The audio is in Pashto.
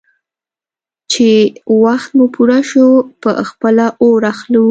_چې وخت مو پوره شو، په خپله اور اخلو.